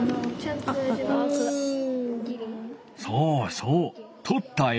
そうそうとったえい